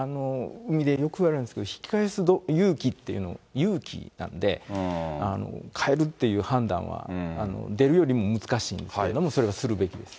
海でよくあるんですけど、引き返す勇気っていう、勇気なんで、帰るっていう判断は、出るよりも難しいんですけど、それをするべきです。